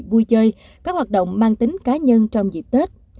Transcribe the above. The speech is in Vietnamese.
vui chơi các hoạt động mang tính cá nhân trong dịp tết